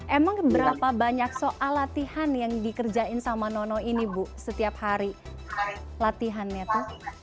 emang berapa banyak soal latihan yang dikerjain sama nono ini bu setiap hari latihan netta